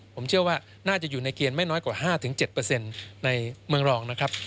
ผมเชื่อว่าน่าจะอยู่ในเกณฑ์ไม่น้อยกว่า๕๗ในเมืองรองนะครับ